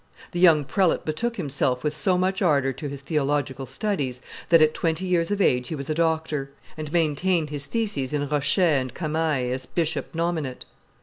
The young prelate betook himself with so much ardor to his theological studies, that at twenty years of age he was a doctor, and maintained his theses in rochet and camail as bishop nominate.